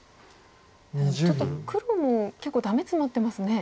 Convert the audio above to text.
ちょっと黒も結構ダメツマってますね。